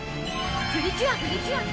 プリキュア！